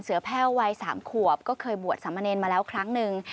แพ่ววัย๓ขวบก็เคยบวชสามเณรมาแล้วครั้งหนึ่ง